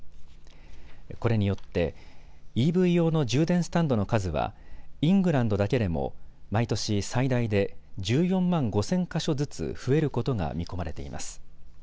これによってＥＶ用の充電スタンドの数はイングランドだけでも毎年最大で１４万５０００か所ずつ増えることが見込まれています。